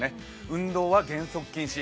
運動は原則禁止。